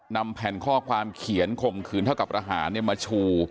นำแผ่นข้อความเขียนข่มขืนเท่ากับอาหารมาชู